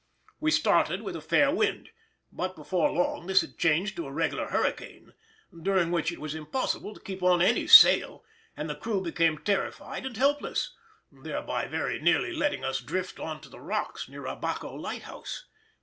We started with a fair wind, but before long this had changed to a regular hurricane—during which it was impossible to keep on any sail, and the crew became terrified and helpless, thereby very nearly letting us drift on to the rocks near Abaco lighthouse.